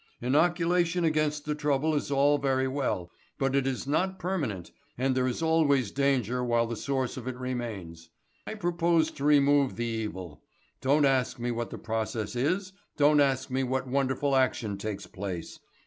Inoculation against the trouble is all very well, but it is not permanent and there is always danger whilst the source of it remains. I propose to remove the evil. Don't ask me what the process is, don't ask me what wonderful action takes place.